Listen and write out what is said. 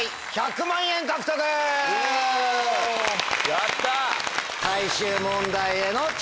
やった！